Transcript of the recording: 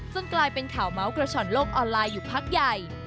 กลายเป็นข่าวเมาส์กระฉ่อนโลกออนไลน์อยู่พักใหญ่